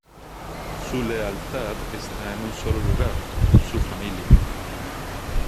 Su lealtad esta en un sólo lugar: su familia.